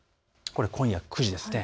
今夜９時です。